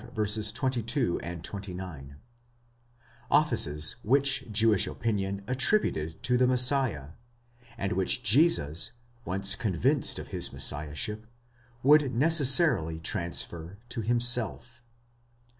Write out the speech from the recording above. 22, 29); offices which Jewish opinion attributed to the Messiah,! and which Jesus, once convinced of his Messiah ship, would necessarily transfer to himself.